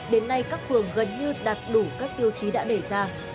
đến nay các phường gần như đạt đủ các tiêu chí đã đề ra